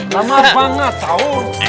lama banget tau